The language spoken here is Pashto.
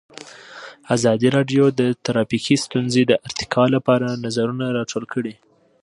ازادي راډیو د ټرافیکي ستونزې د ارتقا لپاره نظرونه راټول کړي.